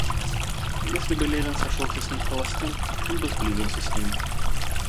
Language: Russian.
Если бы Левин сошелся с ним холостым, он бы сблизился с ним.